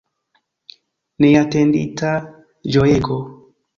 Neatendita ĝojego!